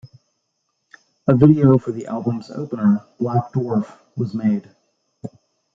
A video for the album's opener, "Black Dwarf", was made.